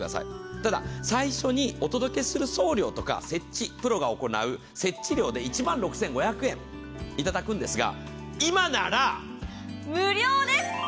ただ、最初にお届けする送料とかプロが行う設置料で１万６５００円いただくんですが、今なら無料です。